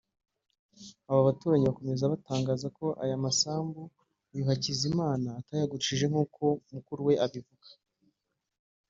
Aba baturanyi bakomeza batangaza ko aya masambu uyu Hakizimana atayagurishije nk’uko mukuru we abivuga